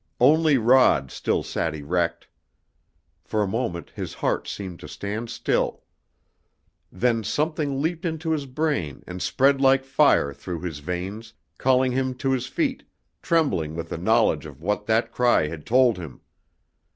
Only Rod still sat erect. For a moment his heart seemed to stand still. Then something leaped into his brain and spread like fire through his veins, calling him to his feet, trembling with the knowledge of what that cry had told him!